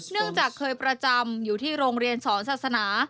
เนื่องจากเคยประจำอยู่ที่โรงเรียนสอนศาสนา